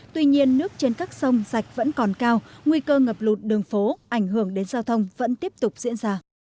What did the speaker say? tuy nhiên nước trên các sông sạch vẫn còn cao nguy cơ ngập lụt đường phố ảnh hưởng đến giao thông vẫn tiếp tục diễn ra